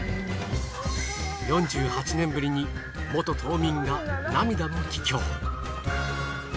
４８年ぶりに元島民が涙の帰郷。